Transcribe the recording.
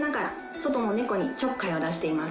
外の猫にちょっかいを出しています。